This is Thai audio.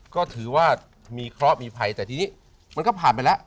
ก็ถือว่ามีเคราะห์มีภัยแต่ทีนี้มันก็ผ่านไปแล้ว